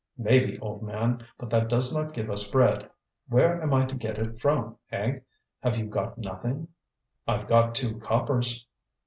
"Maybe, old man, but that does not give us bread. Where am I to get it from, eh? Have you got nothing?" "I've got two coppers."